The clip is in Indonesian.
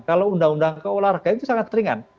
kalau undang undang keolahragaan itu sangat ringan